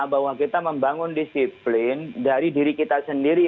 bahwa kita membangun disiplin dari diri kita sendiri